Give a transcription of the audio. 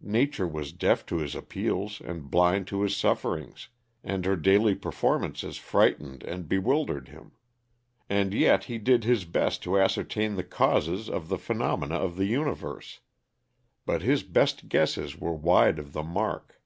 Nature was deaf to his appeals and blind to his sufferings, and her daily performances frightened and bewildered him. And yet he did his best to ascertain the causes of the phГҰnomena of the universe. But his best guesses were wide of the mark.